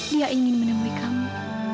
dia ingin menemui kamu